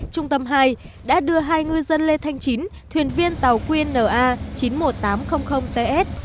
trung tâm hai đã đưa hai người dân lê thanh chín thuyền viên tàu queen na chín mươi một nghìn tám trăm linh ts